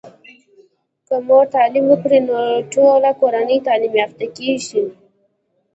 که مور تعليم وکړی نو ټوله کورنۍ تعلیم یافته کیږي.